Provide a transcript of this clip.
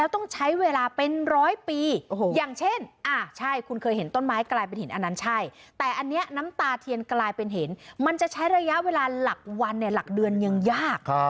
แต่อันนี้น้ำตาเทียนกลายเป็นเห็นมันจะใช้ระยะเวลาหลักวันหลักเดือนยังยาก